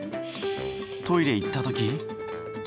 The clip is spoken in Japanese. トイレ行った時？